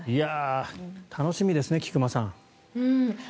楽しみですね、菊間さん。